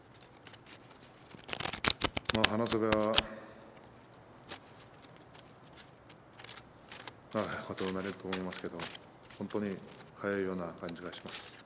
話せば長いことになると思いますけども、本当に早いような感じがします。